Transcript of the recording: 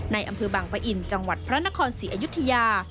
อำเภอบางปะอินจังหวัดพระนครศรีอยุธยา